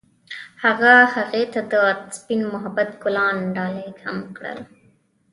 هغه هغې ته د سپین محبت ګلان ډالۍ هم کړل.